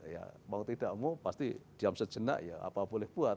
ya mau tidak mau pasti diam sejenak ya apa boleh buat